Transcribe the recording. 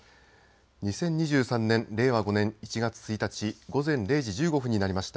２０２３年、令和５年１月１日、午前０時１５分になりました。